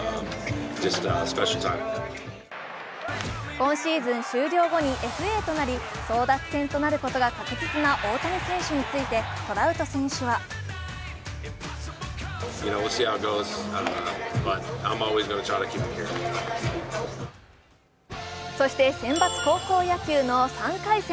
今シーズン終了後にＦＡとなり争奪戦となることが確実な大谷選手についてトラウト選手はそして選抜高校野球の３回戦。